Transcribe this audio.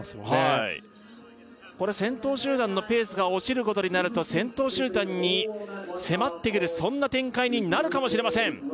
はいこれ先頭集団のペースが落ちることになると先頭集団に迫ってくるそんな展開になるかもしれません